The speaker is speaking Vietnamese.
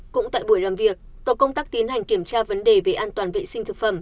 cũng tại buổi làm việc tổ công tác tiến hành kiểm tra vấn đề về an toàn vệ sinh thực phẩm